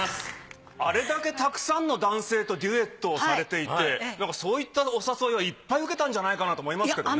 あれだけたくさんの男性とデュエットをされていてそういったお誘いはいっぱい受けたんじゃないかなと思いますけどね。